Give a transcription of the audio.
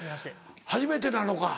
初めてなのか